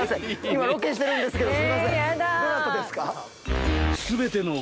今ロケしてるんですけど。